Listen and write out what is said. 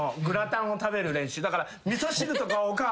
だから。